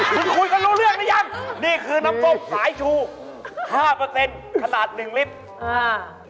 คุณคุยกันรู้เรื่องมั้ยยังนี่คือน้ำส้มสายชู๕เปอร์เซ็นต์ขนาด๑ลิตร